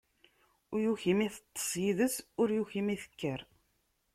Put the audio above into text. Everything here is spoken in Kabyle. Ur yuki mi teṭṭeṣ yid-s, ur yuki mi tekker.